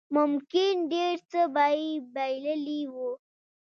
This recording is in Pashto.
ممکن ډېر څه به يې بايللي وو.